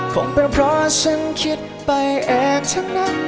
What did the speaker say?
คงเป็นเพราะฉันคิดไปแอบทั้งนั้น